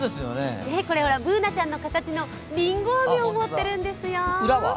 Ｂｏｏｎａちゃんの形のりんご飴を持っているんですよ。